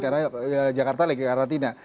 karena jakarta lagi karantina